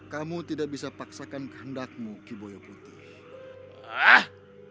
kamu tidak bisa paksakan kehendakmu kiboyo putih